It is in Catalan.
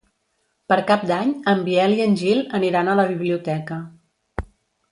Per Cap d'Any en Biel i en Gil aniran a la biblioteca.